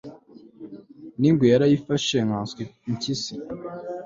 n'ingwe narayifashe nkanswe impyisi